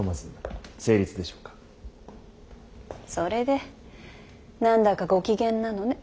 それで何だかご機嫌なのね。